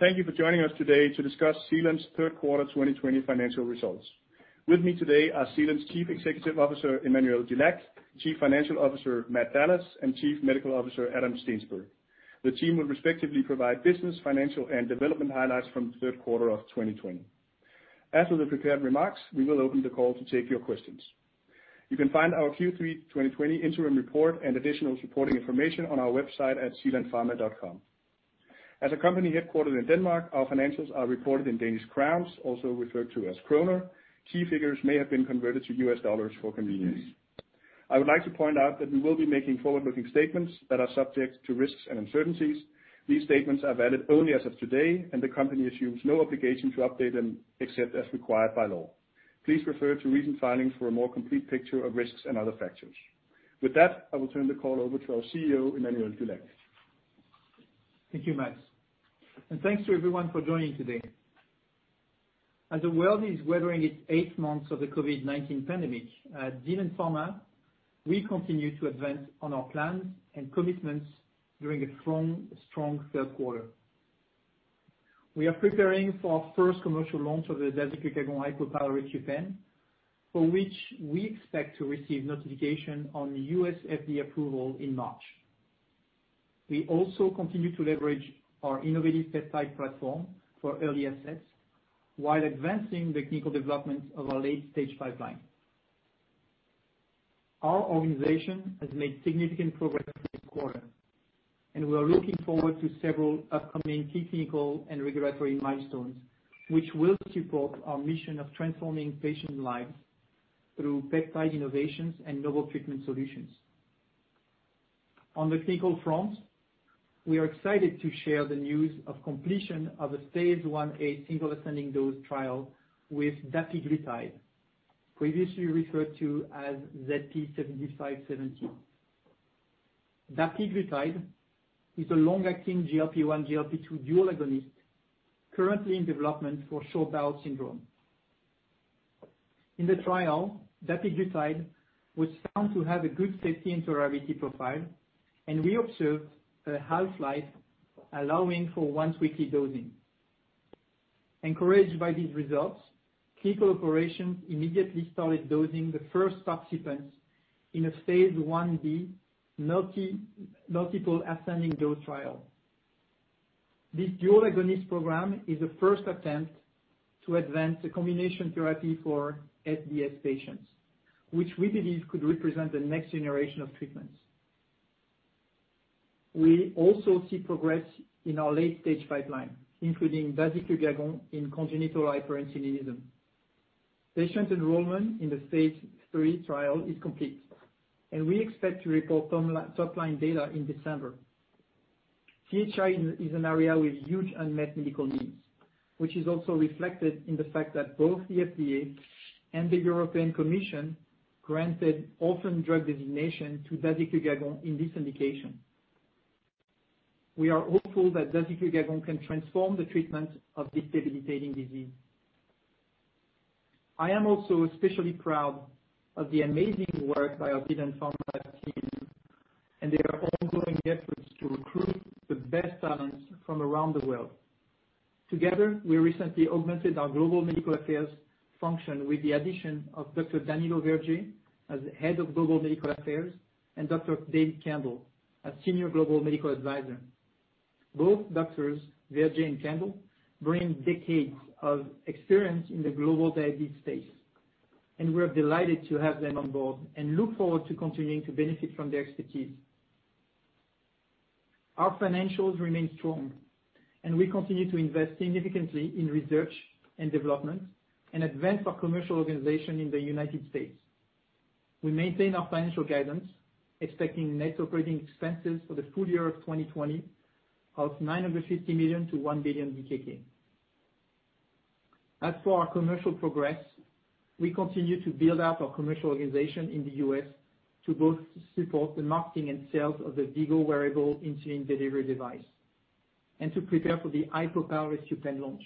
Thank you for joining us today to discuss Zealand's third quarter 2020 financial results. With me today are Zealand's Chief Executive Officer Emmanuel Dulac, Chief Financial Officer Matt Dallas, and Chief Medical Officer Adam Steensberg. The team will respectively provide business, financial, and development highlights from the third quarter of 2020. After the prepared remarks, we will open the call to take your questions. You can find our Q3 2020 interim report and additional supporting information on our website at zealandpharma.com. As a company headquartered in Denmark, our financials are reported in Danish crowns, also referred to as kroner. Key figures may have been converted to US dollars for convenience. I would like to point out that we will be making forward-looking statements that are subject to risks and uncertainties. These statements are valid only as of today, and the company assumes no obligation to update them except as required by law. Please refer to recent filings for a more complete picture of risks and other factors. With that, I will turn the call over to our CEO, Emmanuel Dulac. Thank you, Mads, and thanks to everyone for joining today. As the world is weathering its eighth month of the COVID-19 pandemic, at Zealand Pharma, we continue to advance on our plans and commitments during a strong, strong third quarter. We are preparing for our first commercial launch of the Dasiglucagon HypoPal, for which we expect to receive notification on U.S. FDA approval in March. We also continue to leverage our innovative peptide platform for early assets while advancing the clinical development of our late-stage pipeline. Our organization has made significant progress this quarter, and we are looking forward to several upcoming clinical and regulatory milestones, which will support our mission of transforming patients' lives through peptide innovations and novel treatment solutions. On the clinical front, we are excited to share the news of completion of a phase IA single ascending dose trial with Dapiglutide, previously referred to as ZP7570. Dapiglutide is a long-acting GLP-1, GLP-2 dual agonist currently in development for short bowel syndrome. In the trial, Dapiglutide was found to have a good safety and tolerability profile, and we observed a half-life, allowing for once-weekly dosing. Encouraged by these results, clinical operations immediately started dosing the first participants in a phase IB multiple ascending dose trial. This dual agonist program is the first attempt to advance the combination therapy for SBS patients, which we believe could represent the next generation of treatments. We also see progress in our late-stage pipeline, including Dasiglucagon in congenital hyperinsulinism. Patient enrollment in the Phase III trial is complete, and we expect to report top-line data in December. CHI is an area with huge unmet medical needs, which is also reflected in the fact that both the FDA and the European Commission granted orphan drug designation to dasiglucagon in this indication. We are hopeful that dasiglucagon can transform the treatment of this debilitating disease. I am also especially proud of the amazing work by our Zealand Pharma team and their ongoing efforts to recruit the best talents from around the world. Together, we recently augmented our global medical affairs function with the addition of Dr. Danilo Verge as Head of Global Medical Affairs and Dr. David Kendall as Senior Global Medical Advisor. Both doctors, Verge and Kendall, bring decades of experience in the global diabetes space, and we are delighted to have them on board and look forward to continuing to benefit from their expertise. Our financials remain strong, and we continue to invest significantly in research and development and advance our commercial organization in the United States. We maintain our financial guidance, expecting net operating expenses for the full year of 2020 of 950 million-1 billion DKK. As for our commercial progress, we continue to build out our commercial organization in the U.S. to both support the marketing and sales of the V-Go wearable insulin delivery device and to prepare for the HypoPal launch.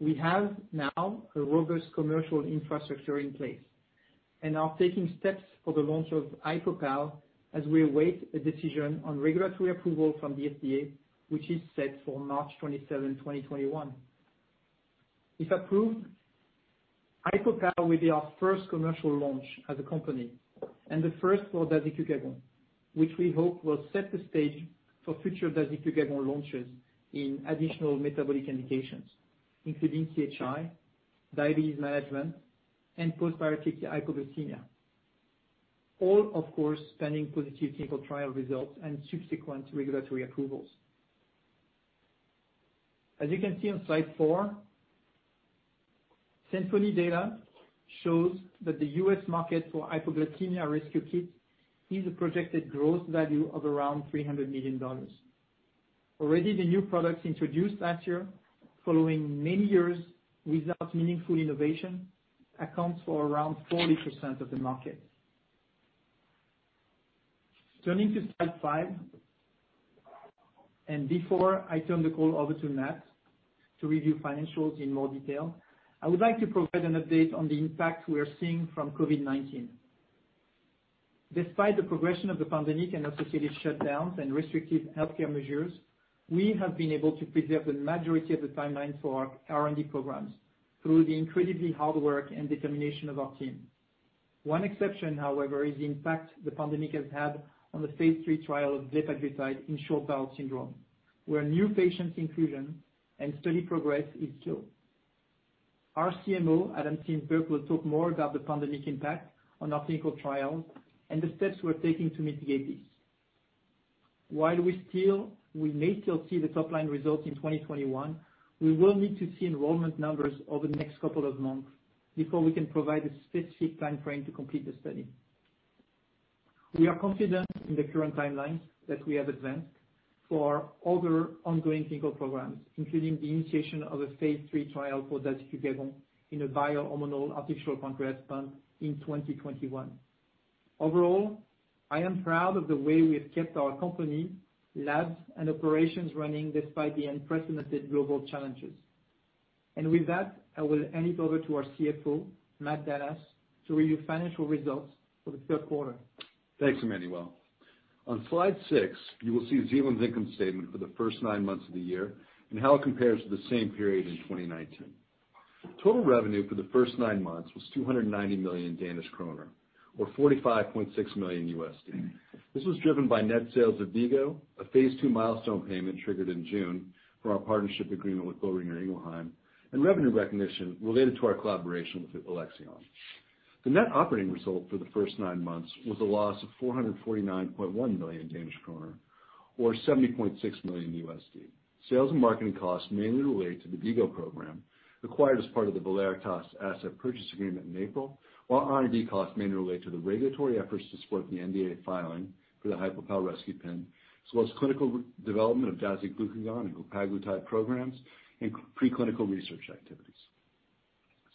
We have now a robust commercial infrastructure in place and are taking steps for the launch of HypoPal as we await a decision on regulatory approval from the FDA, which is set for March 27, 2021. If approved, HypoPal will be our first commercial launch as a company and the first for dasiglucagon, which we hope will set the stage for future dasiglucagon launches in additional metabolic indications, including CHI, diabetes management, and post-bariatric hypoglycemia, all, of course, pending positive clinical trial results and subsequent regulatory approvals. As you can see on slide four, Symphony Health data shows that the US market for hypoglycemia rescue kits is a projected gross value of around $300 million. Already, the new products introduced last year, following many years without meaningful innovation, account for around 40% of the market. Turning to slide five, and before I turn the call over to Matt to review financials in more detail, I would like to provide an update on the impact we are seeing from COVID-19. Despite the progression of the pandemic and associated shutdowns and restrictive healthcare measures, we have been able to preserve the majority of the timeline for our R&D programs through the incredibly hard work and determination of our team. One exception, however, is the impact the pandemic has had on the phase III trial of glepaglutide in Short Bowel Syndrome, where new patient inclusion and study progress is slow. Our CMO, Adam Steensberg, will talk more about the pandemic impact on our clinical trials and the steps we're taking to mitigate this. While we may still see the top-line results in 2021, we will need to see enrollment numbers over the next couple of months before we can provide a specific time frame to complete the study. We are confident in the current timelines that we have advanced for our other ongoing clinical programs, including the initiation of a phase III trial for dasiglucagon in a bi-hormonal artificial pancreas pump in 2021. Overall, I am proud of the way we have kept our company, labs, and operations running despite the unprecedented global challenges. With that, I will hand it over to our CFO, Matt Dallas, to review financial results for the third quarter. Thanks, Emmanuel. On slide six, you will see Zealand's income statement for the first nine months of the year and how it compares to the same period in 2019. Total revenue for the first nine months was 290 million Danish kroner, or $45.6 million. This was driven by net sales of V-Go, a phase II milestone payment triggered in June for our partnership agreement with Boehringer Ingelheim, and revenue recognition related to our collaboration with Alexion. The net operating result for the first nine months was a loss of 449.1 million Danish kroner, or $70.6 million. Sales and marketing costs mainly relate to the V-Go program acquired as part of the Valeritas asset purchase agreement in April, while R&D costs mainly relate to the regulatory efforts to support the NDA filing for the HypoPal rescue pen, as well as clinical development of dasiglucagon and HypoPal supplement programs and preclinical research activities.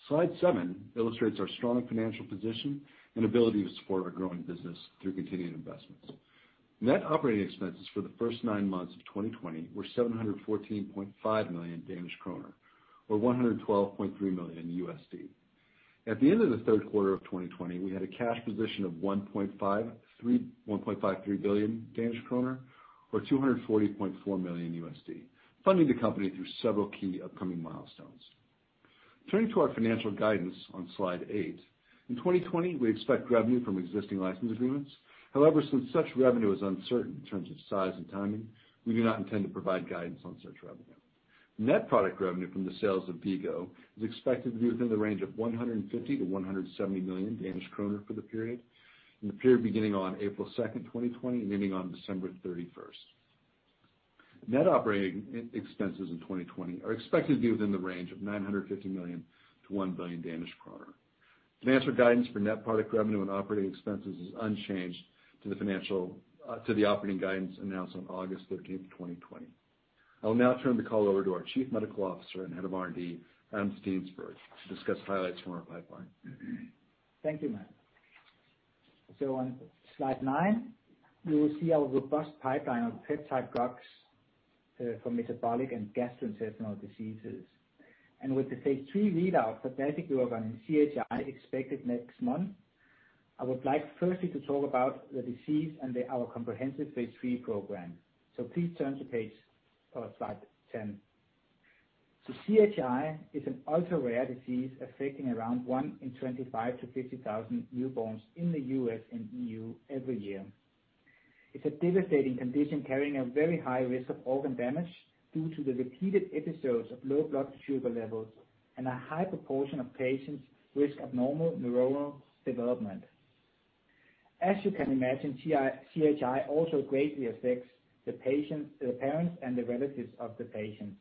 Slide seven illustrates our strong financial position and ability to support our growing business through continued investments. Net operating expenses for the first nine months of 2020 were 714.5 million Danish kroner, or $112.3 million. At the end of the third quarter of 2020, we had a cash position of 1.53 billion Danish kroner, or $240.4 million, funding the company through several key upcoming milestones. Turning to our financial guidance on slide eight, in 2020, we expect revenue from existing license agreements. However, since such revenue is uncertain in terms of size and timing, we do not intend to provide guidance on such revenue. Net product revenue from the sales of V-Go is expected to be within the range of 150 million-170 million Danish kroner for the period, and the period beginning on April 2, 2020, and ending on December 31. Net operating expenses in 2020 are expected to be within the range of 950 million-1 billion Danish kroner. Financial guidance for net product revenue and operating expenses is unchanged to the operating guidance announced on August 13, 2020. I will now turn the call over to our Chief Medical Officer and Head of R&D, Adam Steensberg, to discuss highlights from our pipeline. Thank you, Matt. On slide nine, you will see our robust pipeline of peptide drugs for metabolic and gastrointestinal diseases. With the phase III readout for Dasiglucagon and CHI expected next month, I would like firstly to talk about the disease and our comprehensive phase III program. Please turn to slide 10. CHI is an ultra-rare disease affecting around 1 in 25,000 to 50,000 newborns in the U.S. and E.U. every year. It's a devastating condition carrying a very high risk of organ damage due to the repeated episodes of low blood sugar levels and a high proportion of patients with abnormal neuronal development. As you can imagine, CHI also greatly affects the parents and the relatives of the patients.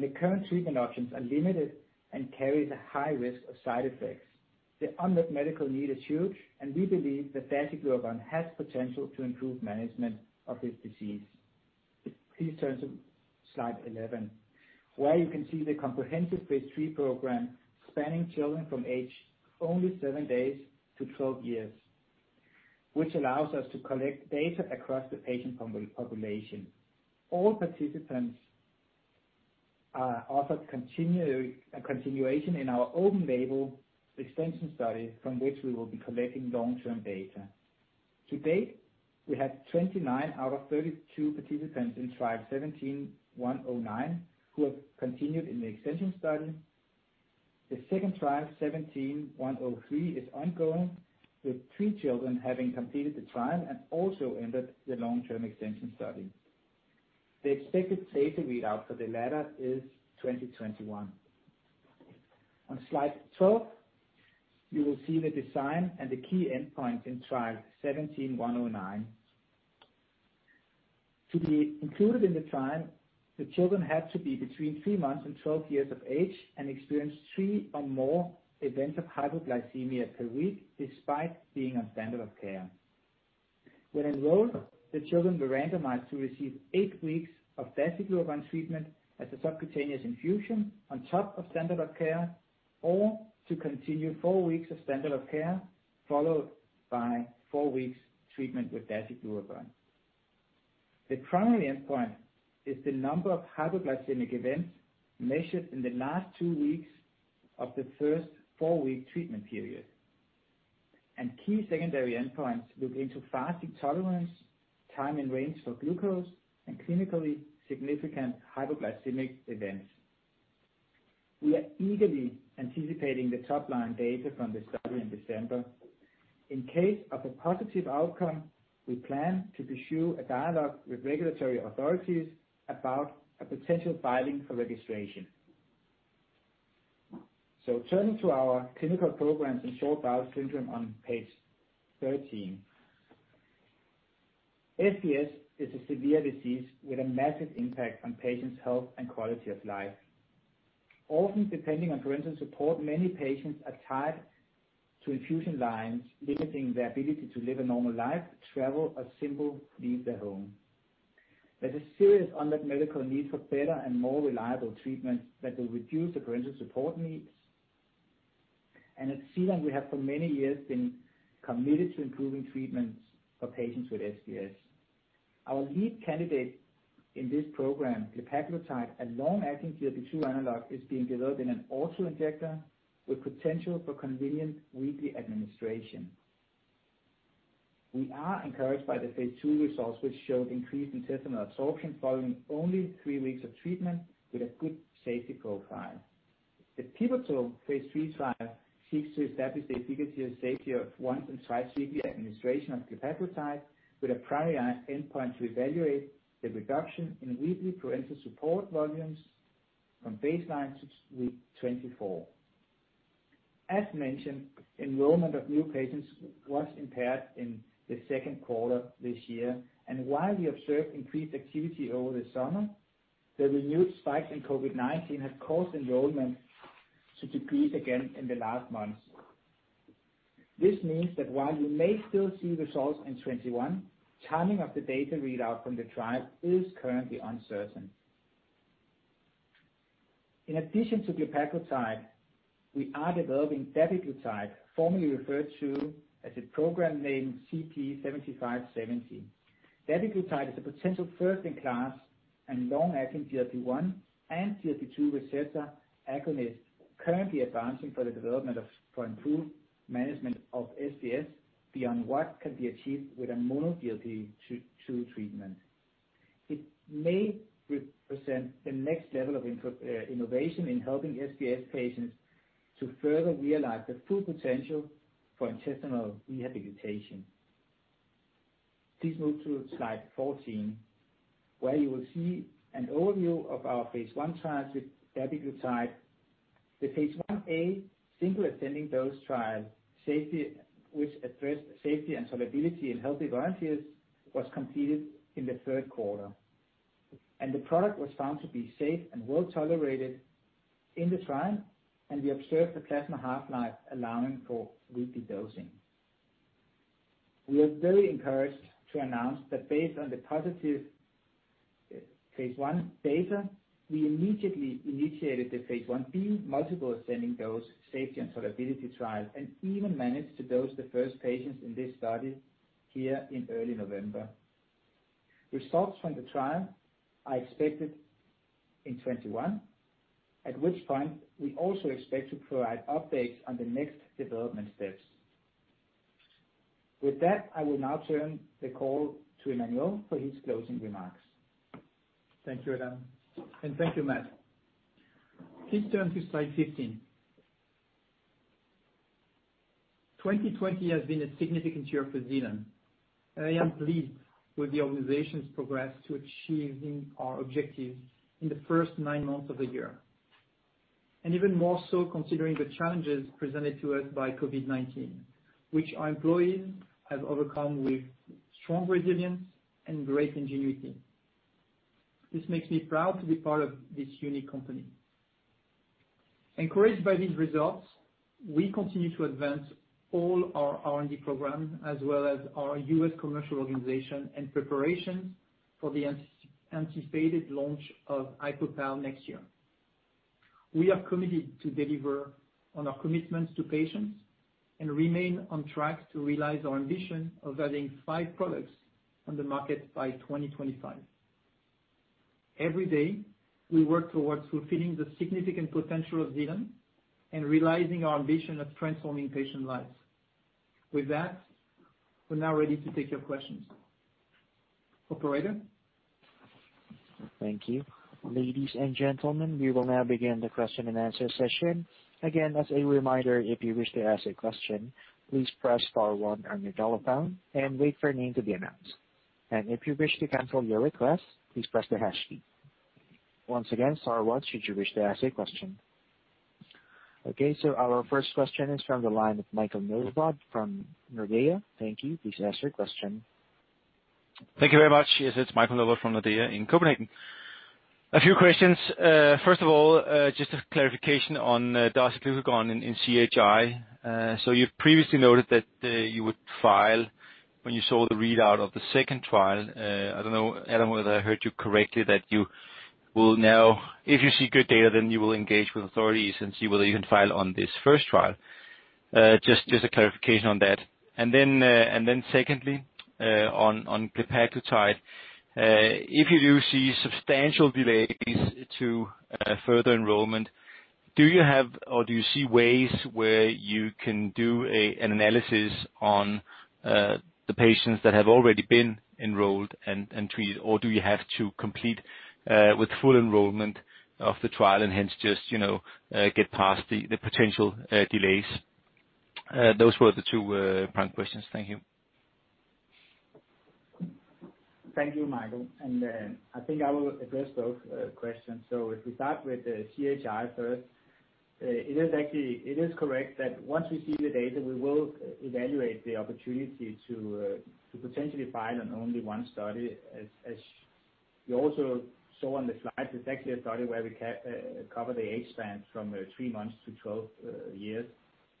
The current treatment options are limited and carry a high risk of side effects. The unmet medical need is huge, and we believe that dasiglucagon has potential to improve management of this disease. Please turn to slide 11, where you can see the comprehensive phase III program spanning children from age only seven days to 12 years, which allows us to collect data across the patient population. All participants are offered continuation in our open-label extension study from which we will be collecting long-term data. To date, we have 29 out of 32 participants in trial 17109 who have continued in the extension study. The second trial, 17103, is ongoing, with three children having completed the trial and also entered the long-term extension study. The expected phase II readout for the latter is 2021. On slide 12, you will see the design and the key endpoints in trial 17109. To be included in the trial, the children had to be between three months and 12 years of age and experience three or more events of hypoglycemia per week despite being on standard of care. When enrolled, the children were randomized to receive eight weeks of dasiglucagon treatment as a subcutaneous infusion on top of standard of care or to continue four weeks of standard of care followed by four weeks' treatment with dasiglucagon. The primary endpoint is the number of hypoglycemic events measured in the last two weeks of the first four-week treatment period, and key secondary endpoints look into fasting tolerance, time and range for glucose, and clinically significant hypoglycemic events. We are eagerly anticipating the top-line data from the study in December. In case of a positive outcome, we plan to pursue a dialogue with regulatory authorities about a potential filing for registration. So turning to our clinical programs in short bowel syndrome on page 13, SBS is a severe disease with a massive impact on patients' health and quality of life. Often depending on parenteral support, many patients are tied to infusion lines, limiting their ability to live a normal life, travel, or simply leave their home. There's a serious unmet medical need for better and more reliable treatments that will reduce the parenteral support needs. And at Zealand, we have for many years been committed to improving treatments for patients with SBS. Our lead candidate in this program, glepaglutide, a long-acting GLP-2 analog, is being developed in an autoinjector with potential for convenient weekly administration. We are encouraged by the phase II results, which showed increased intestinal absorption following only three weeks of treatment with a good safety profile. The pivotal phase III trial seeks to establish the efficacy and safety of once- and twice-weekly administration of glepaglutide, with a primary endpoint to evaluate the reduction in weekly parenteral support volumes from baseline to week 24. As mentioned, enrollment of new patients was impaired in the second quarter this year. And while we observed increased activity over the summer, the renewed spikes in COVID-19 have caused enrollment to decrease again in the last months. This means that while you may still see results in 2021, timing of the data readout from the trial is currently uncertain. In addition to glepaglutide, we are developing dapiglutide, formerly referred to as a program name ZP7570. Dapiglutide is a potential first-in-class and long-acting GLP-1 and GLP-2 receptor agonist currently advancing for the development of improved management of SBS beyond what can be achieved with a mono GLP-2 treatment. It may represent the next level of innovation in helping SDS patients to further realize the full potential for intestinal rehabilitation. Please move to slide 14, where you will see an overview of our phase I trials with Dapiglutide. The phase IA single ascending dose trial, which addressed safety and tolerability in healthy volunteers, was completed in the third quarter, and the product was found to be safe and well tolerated in the trial, and we observed the plasma half-life allowing for weekly dosing. We are very encouraged to announce that based on the positive phase I data, we immediately initiated the phase IB multiple ascending dose safety and tolerability trial and even managed to dose the first patients in this study here in early November. Results from the trial are expected in 2021, at which point we also expect to provide updates on the next development steps. With that, I will now turn the call to Emmanuel for his closing remarks. Thank you, Adam, and thank you, Matt. Please turn to slide 15. 2020 has been a significant year for Zealand. I am pleased with the organization's progress to achieving our objectives in the first nine months of the year, and even more so considering the challenges presented to us by COVID-19, which our employees have overcome with strong resilience and great ingenuity. This makes me proud to be part of this unique company. Encouraged by these results, we continue to advance all our R&D program as well as our U.S. commercial organization and preparations for the anticipated launch of HypoPal next year. We are committed to deliver on our commitments to patients and remain on track to realize our ambition of adding five products on the market by 2025. Every day, we work towards fulfilling the significant potential of Zealand and realizing our ambition of transforming patient lives. With that, we're now ready to take your questions. Operator. Thank you. Ladies and gentlemen, we will now begin the question and answer session. Again, as a reminder, if you wish to ask a question, please press star one on your telephone and wait for a name to be announced. And if you wish to cancel your request, please press the hash key. Once again, star one should you wish to ask a question. Okay, so our first question is from the line of Michael Novod from Nordea. Thank you. Please ask your question. Thank you very much. Yes, it's Michael Novod from Nordea in Copenhagen. A few questions. First of all, just a clarification on Dasiglucagon and CHI. So you previously noted that you would file when you saw the readout of the second trial. I don't know, Adam, whether I heard you correctly, that you will now, if you see good data, then you will engage with authorities and see whether you can file on this first trial. Just a clarification on that. And then secondly, on Dapiglutide, if you do see substantial delays to further enrollment, do you have or do you see ways where you can do an analysis on the patients that have already been enrolled and treated, or do you have to complete with full enrollment of the trial and hence just get past the potential delays? Those were the two prime questions. Thank you. Thank you, Michael. And I think I will address both questions. So if we start with CHI first, it is correct that once we see the data, we will evaluate the opportunity to potentially file on only one study. As you also saw on the slide, it's actually a study where we cover the age span from three months to 12 years.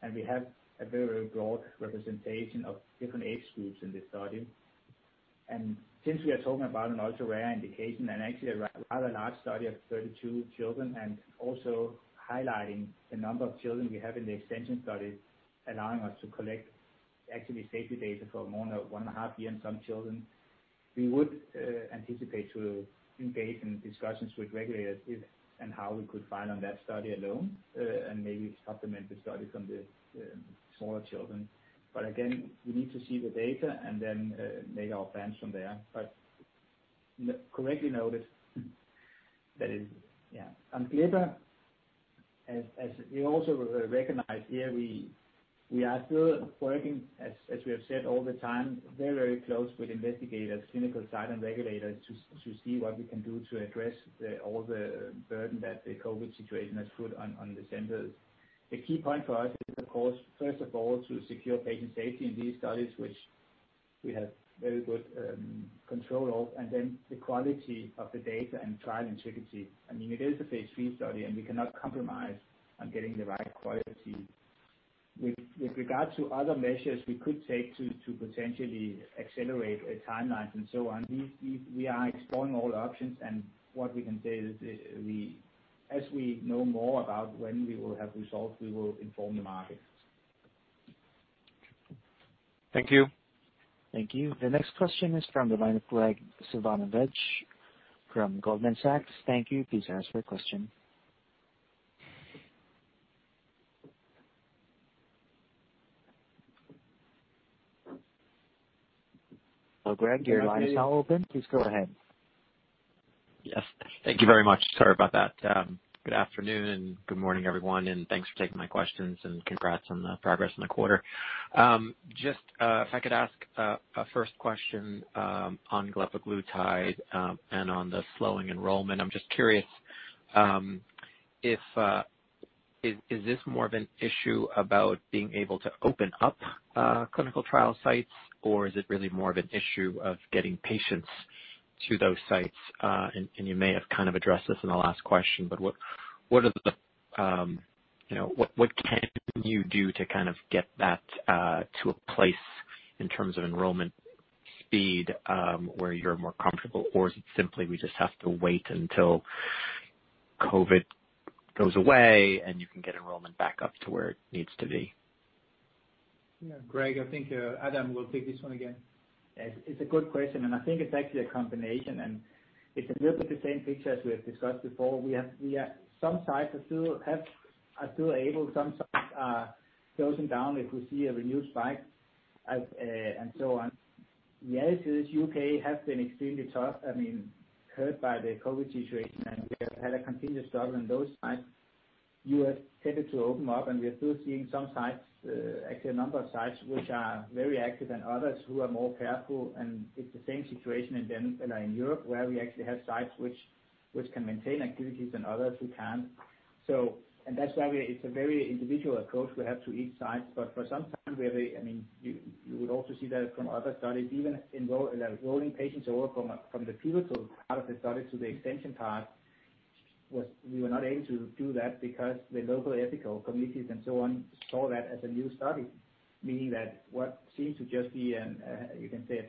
And we have a very, very broad representation of different age groups in this study. Since we are talking about an ultra-rare indication and actually a rather large study of 32 children and also highlighting the number of children we have in the extension study allowing us to collect actually safety data for more than one and a half years in some children, we would anticipate to engage in discussions with regulators and how we could file on that study alone and maybe supplement the study from the smaller children. Again, we need to see the data and then make our plans from there. Correctly noted, that is, yeah. On Glepaglutide, as you also recognize here, we are still working, as we have said all the time, very, very close with investigators, clinical sites, and regulators to see what we can do to address all the burden that the COVID situation has put on the centers. The key point for us is, of course, first of all, to secure patient safety in these studies, which we have very good control of, and then the quality of the data and trial integrity. I mean, it is a phase III study, and we cannot compromise on getting the right quality. With regard to other measures we could take to potentially accelerate timelines and so on, we are exploring all options, and what we can say is, as we know more about when we will have results, we will inform the market. Thank you. Thank you. The next question is from the line of Graig Suvannavejh from Goldman Sachs. Thank you. Please answer your question. So Graig, your line is now open. Please go ahead. Yes. Thank you very much. Sorry about that. Good afternoon and good morning, everyone, and thanks for taking my questions and congrats on the progress in the quarter. Just if I could ask a first question on Glepaglutide and on the slowing enrollment, I'm just curious, is this more of an issue about being able to open up clinical trial sites, or is it really more of an issue of getting patients to those sites? And you may have kind of addressed this in the last question, but what can you do to kind of get that to a place in terms of enrollment speed where you're more comfortable? Or is it simply we just have to wait until COVID goes away and you can get enrollment back up to where it needs to be? Yeah, Graig, I think Adam will take this one again. It's a good question, and I think it's actually a combination, and it's a little bit the same picture as we have discussed before. Some sites are still able, some sites are closing down if we see a renewed spike and so on. The reality is the U.K. has been extremely tough. I mean, hurt by the COVID situation, and we have had a continuous struggle in those sites. The U.S. tended to open up, and we are still seeing some sites, actually a number of sites, which are very active and others who are more careful. It's the same situation in Denmark and in Europe, where we actually have sites which can maintain activities and others who can't, and that's why it's a very individual approach we have to each site. But for some time, I mean, you would also see that from other studies, even enrolling patients over from the pivotal part of the study to the extension part. We were not able to do that because the local ethical committees and so on saw that as a new study, meaning that what seemed to just be, you can say, a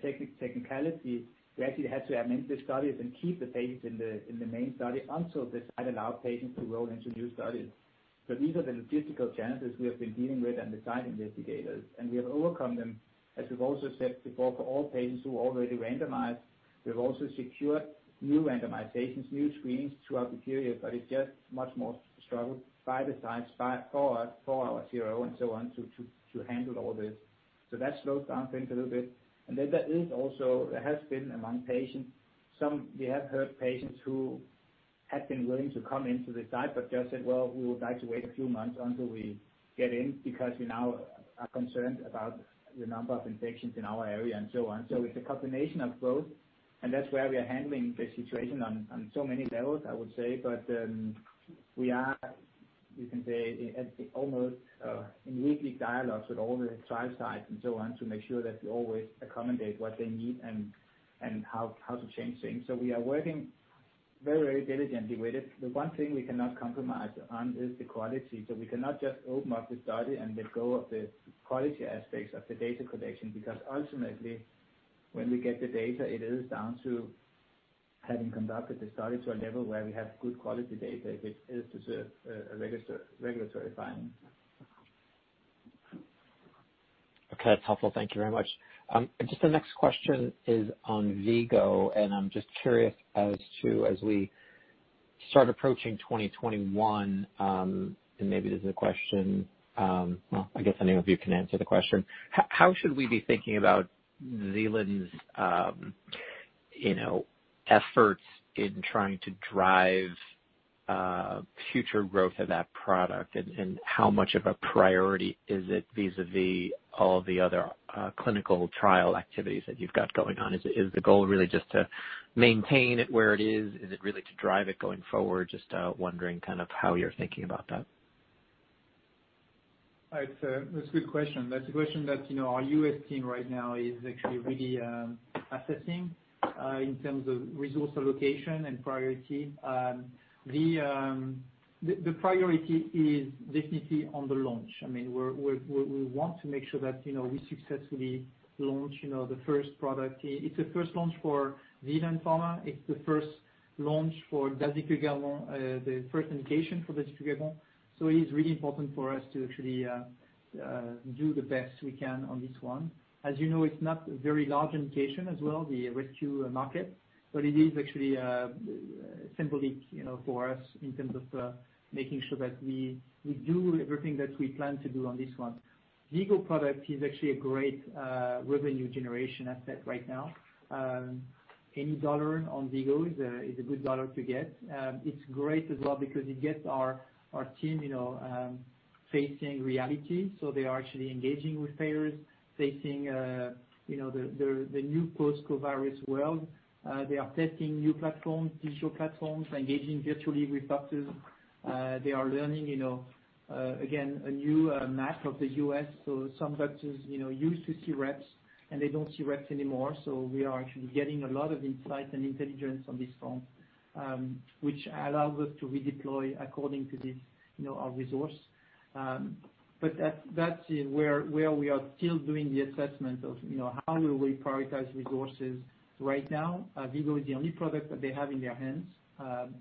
technicality, we actually had to amend the studies and keep the patients in the main study until the site allowed patients to roll into new studies. So these are the logistical challenges we have been dealing with and the site investigators. And we have overcome them, as we've also said before, for all patients who are already randomized. We've also secured new randomizations, new screenings throughout the period, but it's just much more struggle by the sites, for our CRO and so on to handle all this. So that slows down things a little bit. And then there is also, there has been among patients, some we have heard patients who had been willing to come into the site but just said, "Well, we would like to wait a few months until we get in because we now are concerned about the number of infections in our area and so on." So it's a combination of both. And that's where we are handling the situation on so many levels, I would say. But we are, you can say, almost in weekly dialogues with all the trial sites and so on to make sure that we always accommodate what they need and how to change things. So we are working very, very diligently with it. The one thing we cannot compromise on is the quality. So we cannot just open up the study and let go of the quality aspects of the data collection because ultimately, when we get the data, it is down to having conducted the study to a level where we have good quality data if it is to serve a regulatory finding. Okay, that's helpful. Thank you very much. Just the next question is on V-Go, and I'm just curious as to, as we start approaching 2021, and maybe this is a question, well, I guess any of you can answer the question. How should we be thinking about Zealand's efforts in trying to drive future growth of that product? And how much of a priority is it vis-à-vis all the other clinical trial activities that you've got going on? Is the goal really just to maintain it where it is? Is it really to drive it going forward? Just wondering kind of how you're thinking about that? That's a good question. That's a question that our US team right now is actually really assessing in terms of resource allocation and priority. The priority is definitely on the launch. I mean, we want to make sure that we successfully launch the first product. It's the first launch for Zealand Pharma. It's the first launch for Dasiglucagon, the first indication for Dasiglucagon. So it is really important for us to actually do the best we can on this one. As you know, it's not a very large indication as well, the rescue market, but it is actually symbolic for us in terms of making sure that we do everything that we plan to do on this one. V-Go product is actually a great revenue generation asset right now. Any dollar on V-Go is a good dollar to get. It's great as well because it gets our team facing reality. So they are actually engaging with payers, facing the new post-coronavirus world. They are testing new platforms, digital platforms, engaging virtually with doctors. They are learning, again, a new map of the U.S. So some doctors used to see reps, and they don't see reps anymore. So we are actually getting a lot of insight and intelligence on this front, which allows us to redeploy according to our resource. But that's where we are still doing the assessment of how will we prioritize resources. Right now, V-Go is the only product that they have in their hands.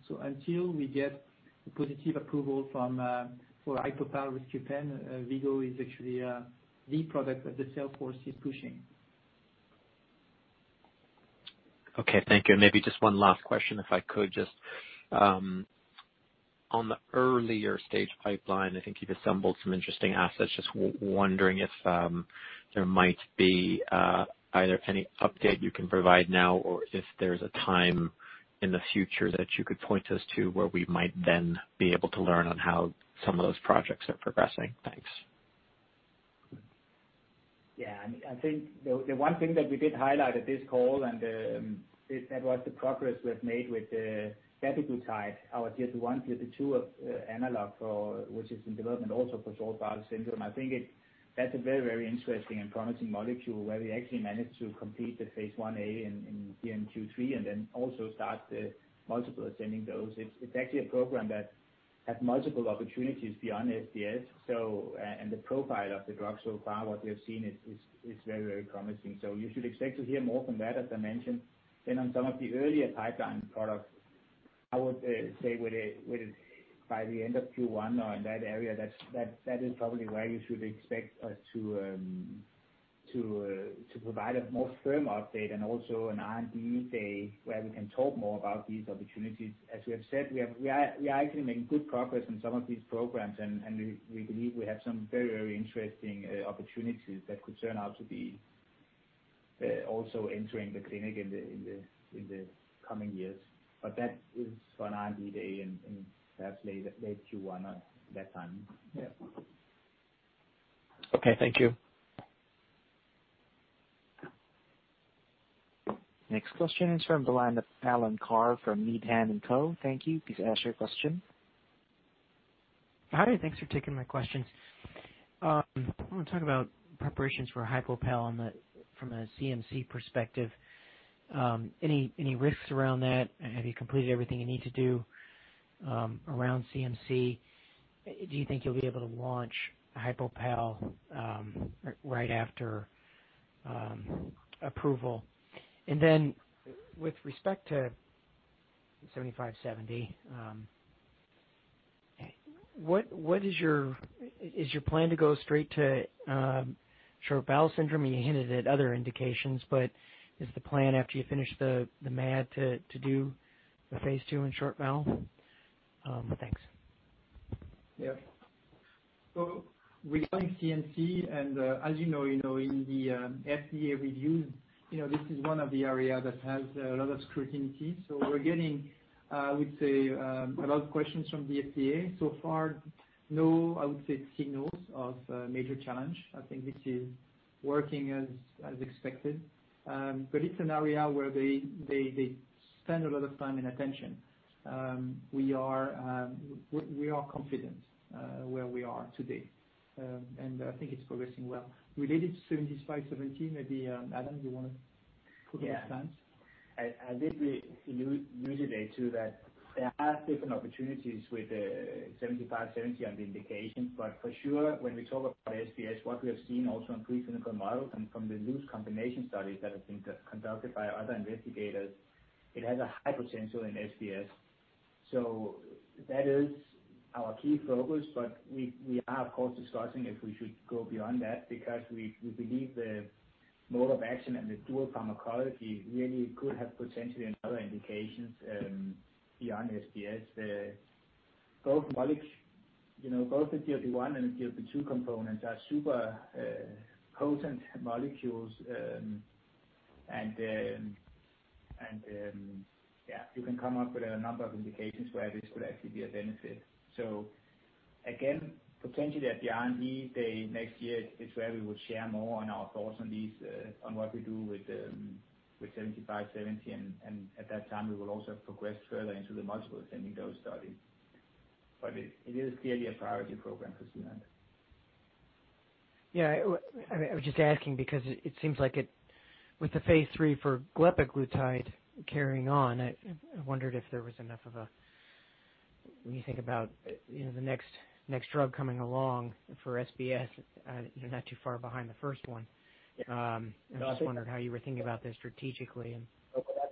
So until we get the positive approval for HypoPal, V-Go is actually the product that the salesforce is pushing. Okay, thank you. And maybe just one last question, if I could. Just on the earlier stage pipeline, I think you've assembled some interesting assets. Just wondering if there might be either any update you can provide nFow or if there's a time in the future that you could point us to where we might then be able to learn on how some of those projects are progressing? Thanks. Yeah, I think the one thing that we did highlight at this call, and that was the progress we have made with Dapiglutide, our GLP-2, GLP-2 analog, which is in development also for short bowel syndrome. I think that's a very, very interesting and promising molecule where we actually managed to complete the phase IA in Q3 and then also start the multiple ascending dose. It's actually a program that has multiple opportunities beyond SDS. And the profile of the drug so far, what we have seen, is very, very promising. So you should expect to hear more from that, as I mentioned. Then on some of the earlier pipeline products, I would say by the end of Q1 or in that area, that is probably where you should expect us to provide a more firm update and also an R&D day where we can talk more about these opportunities. As we have said, we are actually making good progress on some of these programs, and we believe we have some very, very interesting opportunities that could turn out to be also entering the clinic in the coming years. But that is for an R&D day and perhaps late Q1 at that time. Yeah. Okay, thank you. Next question is from the line of Alan Carr from Needham & Company. Thank you. Please ask your question. Hi, thanks for taking my questions. I want to talk about preparations for HypoPal from a CMC perspective. Any risks around that? Have you completed everything you need to do around CMC? Do you think you'll be able to launch HypoPal right after approval? And then with respect to ZP7570, is your plan to go straight to short bowel syndrome? You hinted at other indications, but is the plan after you finish the MAD to do the phase II and short bowel? Thanks. Yeah. So we're going CMC, and as you know, in the FDA reviews, this is one of the areas that has a lot of scrutiny. So we're getting, I would say, a lot of questions from the FDA. So far, no, I would say, signals of major challenge. I think this is working as expected. But it's an area where they spend a lot of time and attention. We are confident where we are today. And I think it's progressing well. Related to ZP 7570, maybe Adam, you want to put your stance? I did tell you today too that there are different opportunities with 75/70 on the indication. But for sure, when we talk about SDS, what we have seen also on preclinical models and from the GLP-1 and GLP-2 combination studies that have been conducted by other investigators, it has a high potential in SDS. So that is our key focus. But we are, of course, discussing if we should go beyond that because we believe the mode of action and the dual pharmacology really could have potentially another indication beyond SDS. Both the GLP-1 and the GLP-2 components are super potent molecules. And yeah, you can come up with a number of indications where this could actually be a benefit. So again, potentially at the R&D day next year, it's where we will share more on our thoughts on what we do with 75/70. At that time, we will also progress further into the multiple ascending dose study. It is clearly a priority program for Zealand. Yeah, I was just asking because it seems like with the phase III for Glepaglutide carrying on, I wondered if there was enough of a, when you think about the next drug coming along for SBS, not too far behind the first one. I just wondered how you were thinking about this strategically. No, but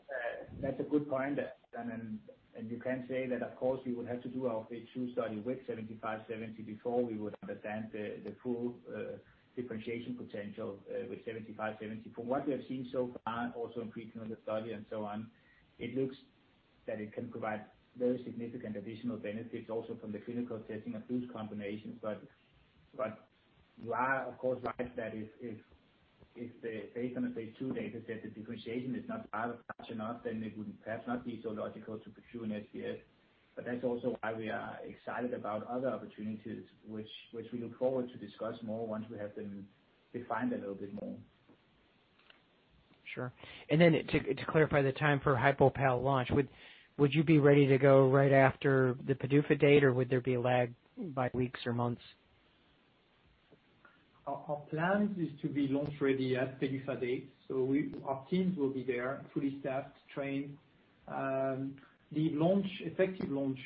that's a good point. And you can say that, of course, we would have to do our phase II study with 75/70 before we would understand the full differentiation potential with 75/70. From what we have seen so far, also in preclinical study and so on, it looks that it can provide very significant additional benefits also from the clinical testing of loose combinations. But you are, of course, right that if based on the phase II dataset, the differentiation is not large enough, then it would perhaps not be so logical to pursue an SDS. But that's also why we are excited about other opportunities, which we look forward to discuss more once we have them defined a little bit more. Sure. And then to clarify the time for HypoPal launch, would you be ready to go right after the Beta date, or would there be a lag by weeks or months? Our plan is to be launch ready at PDUFA date. So our teams will be there, fully staffed, trained. The effective launch,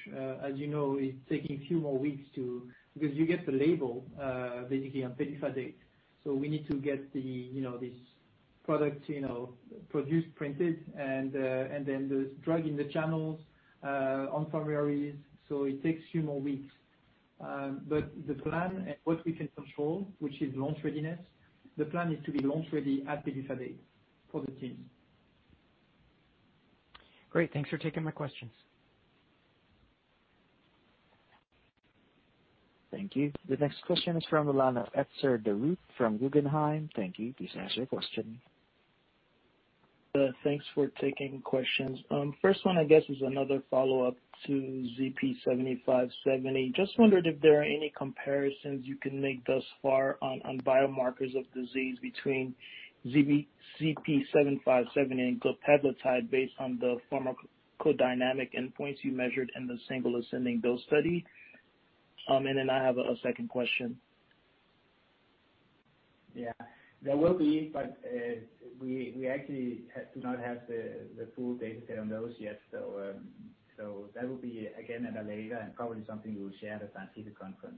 as you know, is taking a few more weeks to, because you get the label basically on PDUFA date. So we need to get this product produced, printed, and then the drug in the channels, on primary. So it takes a few more weeks. But the plan and what we can control, which is launch readiness, the plan is to be launch ready at PDUFA date for the teams. Great. Thanks for taking my questions. Thank you. The next question is from the line of Etzer Darout from Guggenheim. Thank you. Please answer your question. Thanks for taking questions. First one, I guess, is another follow-up to ZP7570. Just wondered if there are any comparisons you can make thus far on biomarkers of disease between ZP7570 and glepaglutide based on the pharmacodynamic endpoints you measured in the single ascending dose study. And then I have a second question. Yeah, there will be, but we actually do not have the full dataset on those yet. So that will be, again, at a later and probably something we will share at the scientific conference.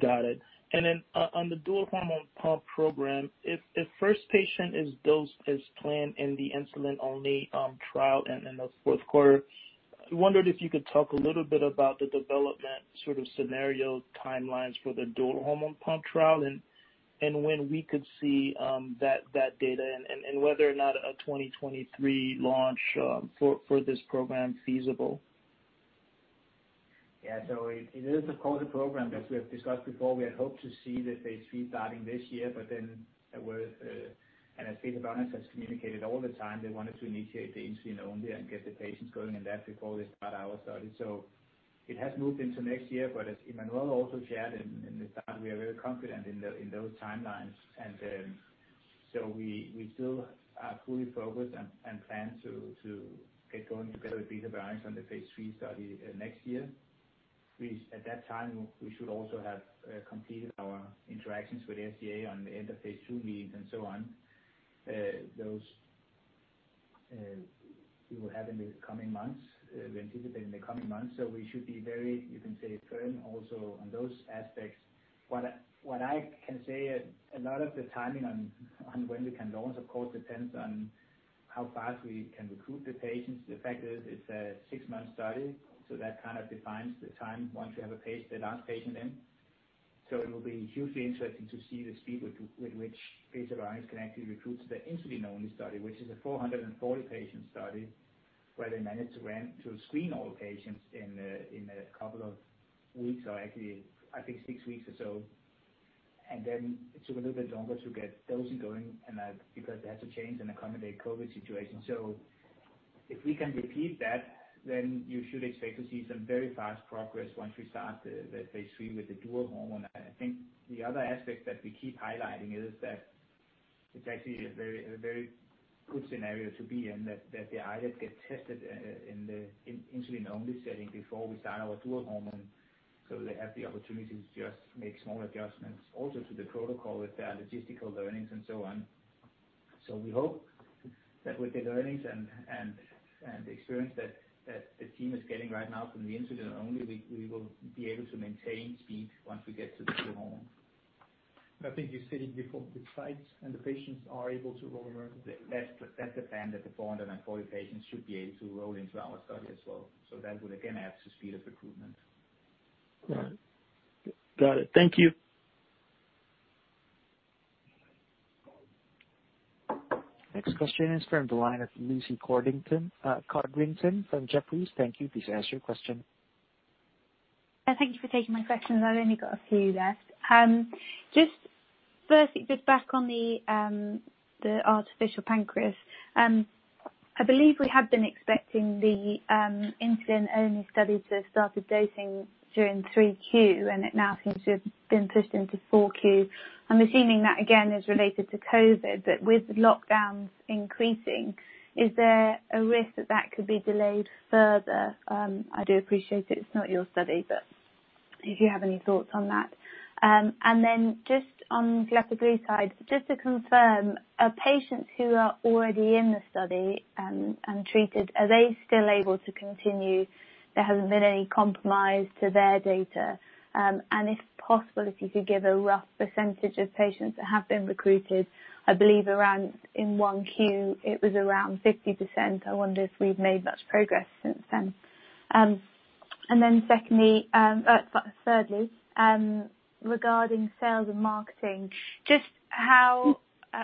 Got it. And then on the dual hormone pump program, if first patient is dosed as planned in the insulin-only trial in the fourth quarter, I wondered if you could talk a little bit about the development sort of scenario timelines for the dual hormone pump trial and when we could see that data and whether or not a 2023 launch for this program is feasible? Yeah, so it is a closed program, as we have discussed before. We had hoped to see the phase III starting this year, but then there were, and as Beta Bionics has communicated all the time, they wanted to initiate the insulin-only and get the patients going in that before they start our study. So it has moved into next year, but as Emmanuel also shared in the start, we are very confident in those timelines. And so we still are fully focused and plan to get going together with Beta Bionics on the phase III study next year. At that time, we should also have completed our interactions with FDA on the end of phase II meetings and so on. Those we will have in the coming months. We're anticipating the coming months. So we should be very, you can say, firm also on those aspects. What I can say, a lot of the timing on when we can launch, of course, depends on how fast we can recruit the patients. The fact is it's a six-month study, so that kind of defines the time once we have the last patient in, so it will be hugely interesting to see the speed with which PDUFA can actually recruit to the insulin-only study, which is a 440-patient study where they managed to screen all patients in a couple of weeks or actually, I think, six weeks or so, and then it took a little bit longer to get dosing going because they had to change and accommodate COVID situation, so if we can repeat that, then you should expect to see some very fast progress once we start the phase III with the dual hormone. I think the other aspect that we keep highlighting is that it's actually a very good scenario to be in that they either get tested in the insulin-only setting before we start our dual hormone so they have the opportunity to just make small adjustments also to the protocol with their logistical learnings and so on. So we hope that with the learnings and the experience that the team is getting right now from the insulin-only, we will be able to maintain speed once we get to the dual hormone. I think you said it before, the sites and the patients are able to roll around. That's the plan that the 440 patients should be able to roll into our study as well. That would, again, add to speed of recruitment. Right. Got it. Thank you. Next question is from the line of Lucy Codrington from Jefferies. Thank you. Please ask your question. Thank you for taking my questions. I've only got a few left. Just back on the artificial pancreas, I believe we had been expecting the insulin-only study to start with dosing during 3Q, and it now seems to have been pushed into 4Q. I'm assuming that, again, is related to COVID, but with lockdowns increasing, is there a risk that that could be delayed further? I do appreciate it. It's not your study, but if you have any thoughts on that. And then just on Glepaglutide, just to confirm, patients who are already in the study and treated, are they still able to continue? There hasn't been any compromise to their data. And if possible, if you could give a rough percentage of patients that have been recruited. I believe in one Q, it was around 50%. I wonder if we've made much progress since then. Then thirdly, regarding sales and marketing,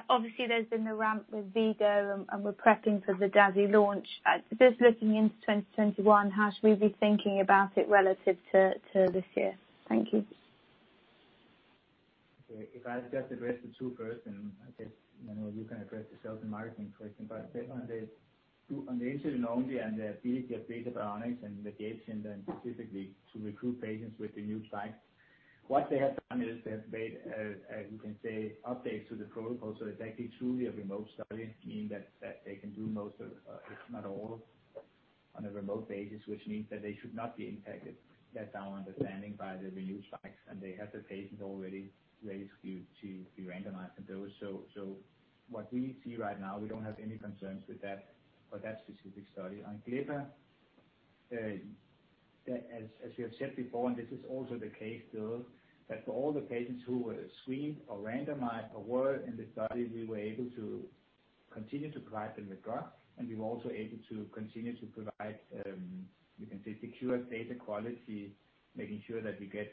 obviously, there's been the ramp with V-Go, and we're prepping for the dasiglucagon launch. Just looking into 2021, how should we be thinking about it relative to this year? Thank you. If I just address the two first, and I guess Emmanuel, you can address the sales and marketing first. But on the insulin-only and the ability of Beta Bionics and the iLet system specifically to recruit patients with the new types, what they have done is they have made, you can say, updates to the protocol. So it's actually truly a remote study, meaning that they can do most, if not all, on a remote basis, which means that they should not be impacted, that's our understanding, by the renewed spikes, and they have the patients already ready to be randomized and dosed. So what we see right now, we don't have any concerns with that for that specific study. On glepaglutide, as you have said before, and this is also the case still, that for all the patients who were screened or randomized or were in the study, we were able to continue to provide them with drugs. We were also able to continue to provide, you can say, secure data quality, making sure that we get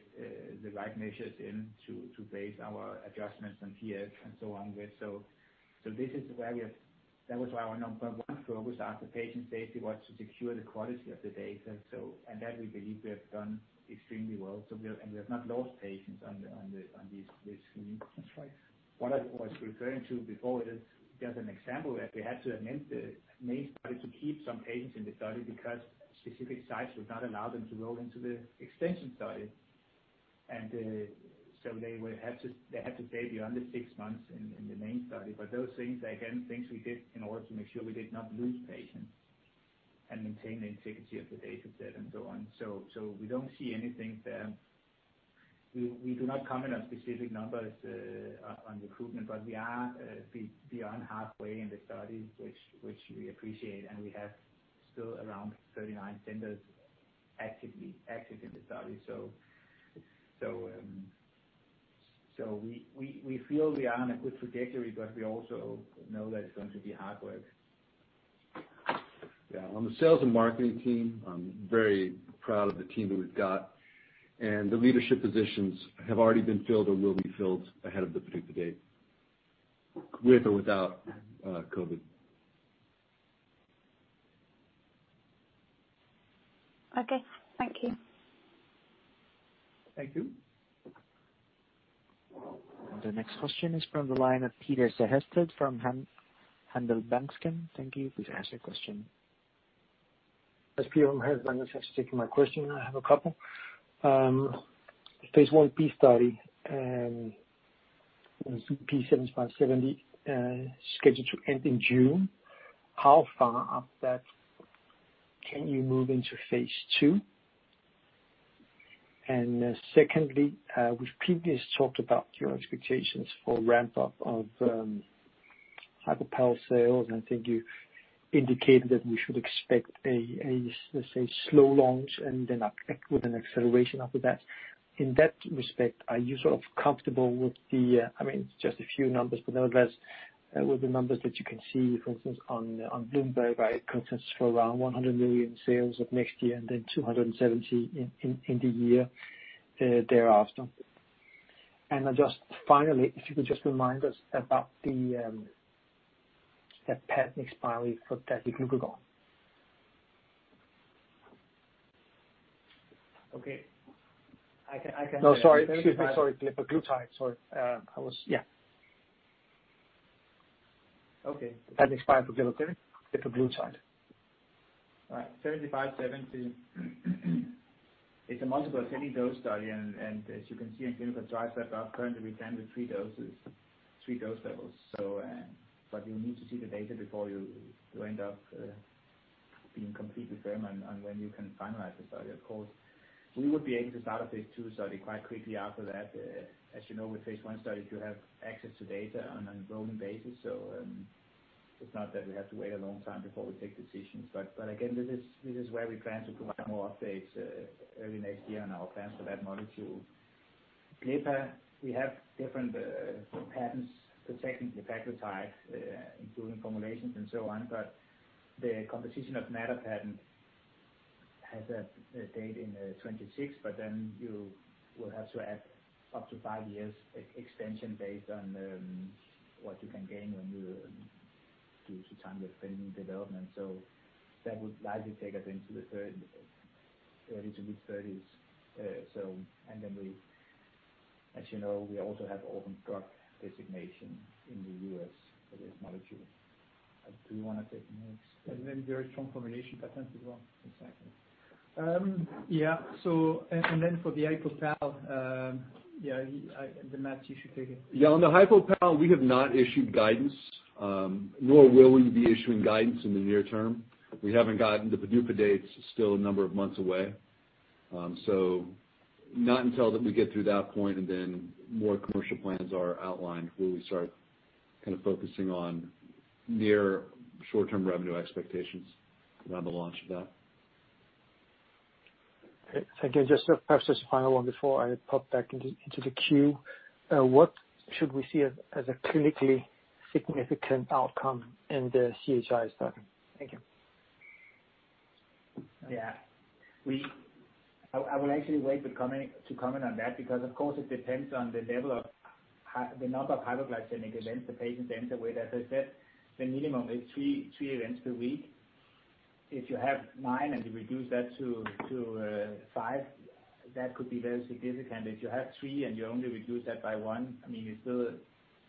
the right measures in to base our adjustments and PS and so on with. So this is where we have. That was why our number one focus after patient safety was to secure the quality of the data. We believe that we have done extremely well. We have not lost patients on these screenings. That's right. What I was referring to before is there's an example where they had to amend the main study to keep some patients in the study because specific sites would not allow them to roll into the extension study. And so they had to stay beyond the six months in the main study. But those things, again, things we did in order to make sure we did not lose patients and maintain the integrity of the dataset and so on. So we don't see anything there. We do not comment on specific numbers on recruitment, but we are beyond halfway in the study, which we appreciate. And we have still around 39 centers active in the study. So we feel we are on a good trajectory, but we also know that it's going to be hard work. Yeah. On the sales and marketing team, I'm very proud of the team that we've got. And the leadership positions have already been filled or will be filled ahead of the PDUFA date, with or without COVID. Okay. Thank you. Thank you. The next question is from the line of Peter Sehested from Handelsbanken. Thank you. Please answer your question. As Peter from Handelsbanken has taken my question, I have a couple. phase IB study, ZP7570, scheduled to end in June. How far up that can you move into phase II? And secondly, we've previously talked about your expectations for ramp-up of HypoPal sales. And I think you indicated that we should expect a slow launch and then with an acceleration after that. In that respect, are you sort of comfortable with the—I mean, it's just a few numbers, but nevertheless, with the numbers that you can see, for instance, on Bloomberg, right, consensus for around 100 million sales of next year and then 270 in the year thereafter. And just finally, if you could just remind us about the patent expiry for Glepaglutide. Okay. I can... No, sorry. Excuse me. Sorry. Glepaglutide. Sorry. I was yeah. Okay. Patent expiration for Glepaglutide. Right. 7570 is a multiple ascending dose study. And as you can see in clinical trials, we are currently within the three dose levels. But you'll need to see the data before you end up being completely firm on when you can finalize the study, of course. We would be able to start a Phase II study quite quickly after that. As you know, with Phase I study, you have access to data on a rolling basis. So it's not that we have to wait a long time before we take decisions. But again, this is where we plan to provide more updates early next year on our plans for that molecule. Glepaglutide, we have different patents protecting Glepaglutide, including formulations and so on. But the composition-of-matter patent has a date in 2026, but then you will have to add up to five years extension based on what you can gain when you do some time with pending development. So that would likely take us into the early to mid-2030s. And then, as you know, we also have orphan drug designation in the U.S. for this molecule. Do you want to take next? And then there are strong formulation patents as well. Exactly. Yeah, and then for the HypoPal, yeah, the math, you should take it. Yeah. On the HypoPal, we have not issued guidance, nor will we be issuing guidance in the near term. We haven't gotten the PDUFA dates. It's still a number of months away. So not until we get through that point and then more commercial plans are outlined will we start kind of focusing on near short-term revenue expectations around the launch of that. Okay. Thank you. Just a final one before I pop back into the queue. What should we see as a clinically significant outcome in the CHI study? Thank you. Yeah. I will actually wait to comment on that because, of course, it depends on the number of hypoglycemic events the patients enter with. As I said, the minimum is three events per week. If you have nine and you reduce that to five, that could be very significant. If you have three and you only reduce that by one, I mean, it's still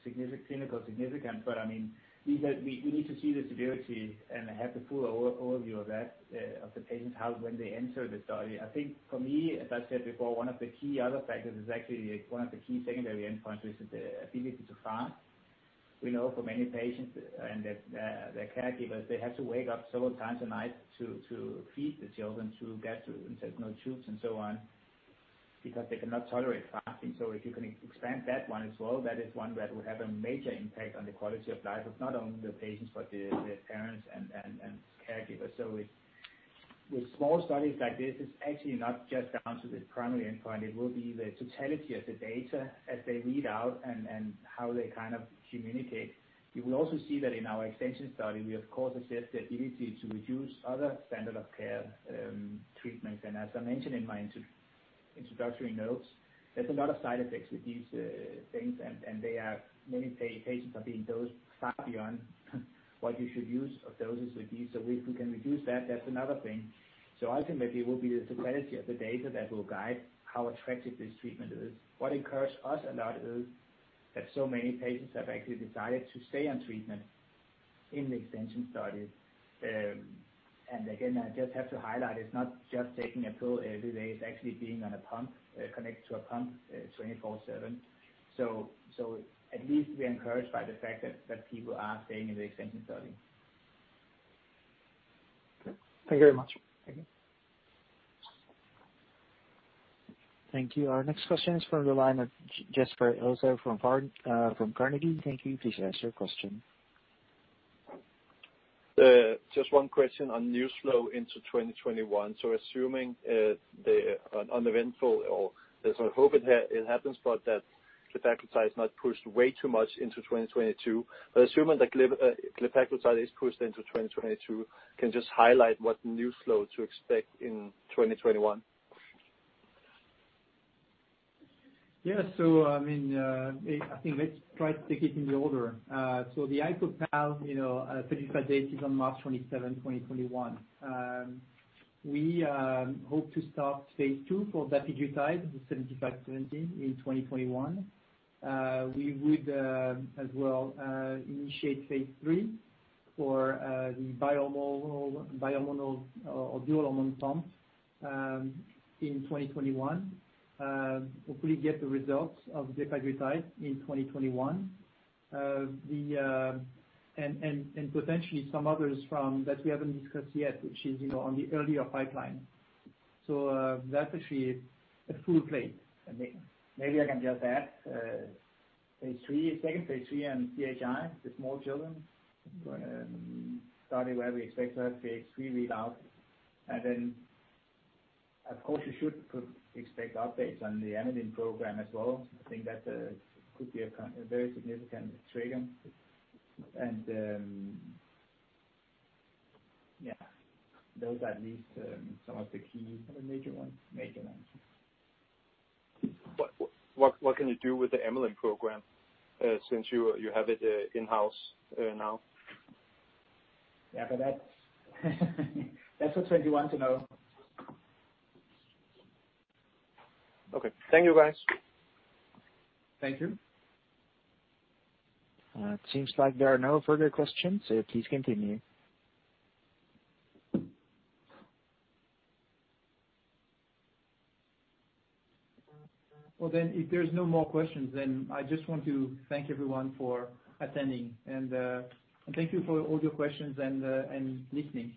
clinically significant. But I mean, we need to see the severity and have the full overview of that of the patients when they enter the study. I think for me, as I said before, one of the key other factors is actually one of the key secondary endpoints is the ability to fast. We know for many patients and their caregivers, they have to wake up several times a night to feed the children, to get the intestinal tubes and so on because they cannot tolerate fasting, so if you can expand that one as well, that is one that will have a major impact on the quality of life, not only the patients but the parents and caregivers, so with small studies like this, it's actually not just down to the primary endpoint. It will be the totality of the data as they read out and how they kind of communicate. You will also see that in our extension study, we, of course, assess the ability to reduce other standard of care treatments, and as I mentioned in my introductory notes, there's a lot of side effects with these things. Many patients are being dosed far beyond what you should use of doses with these. If we can reduce that, that's another thing. Ultimately, it will be the totality of the data that will guide how attractive this treatment is. What encourages us a lot is that so many patients have actually decided to stay on treatment in the extension study. Again, I just have to highlight, it's not just taking a pill every day. It's actually being on a pump, connected to a pump 24/7. At least we are encouraged by the fact that people are staying in the extension study. Okay. Thank you very much. Thank you. Our next question is from the line of Jesper Ilsøe from Carnegie. Thank you. Please ask your question. Just one question on new flow into 2021, so assuming the uneventful - or I hope it happens - but that Glepaglutide is not pushed way too much into 2022, but assuming that Glepaglutide is pushed into 2022, can you just highlight what new flow to expect in 2021? Yeah. So I mean, I think let's try to take it in the order. So the HypoPal, the PDUFA date is on March 27, 2021. We hope to start phase II for Dapiglutide, the ZP7570, in 2021. We would as well initiate phase III for the bi-hormonal or dual hormone pump in 2021. Hopefully, get the results of Glepaglutide in 2021. And potentially some others that we haven't discussed yet, which is on the earlier pipeline. So that's actually a full plate. Maybe I can just add phase III, second phase III on CHI, the small children. Starting where we expect to have phase III readout, and then, of course, you should expect updates on the Amylin program as well. I think that could be a very significant trigger, and yeah, those are at least some of the key major ones. What can you do with the Amylin program since you have it in-house now? Yeah. But that's for 2021 to know. Okay. Thank you, guys. Thank you. It seems like there are no further questions, so please continue. If there's no more questions, then I just want to thank everyone for attending. Thank you for all your questions and listening.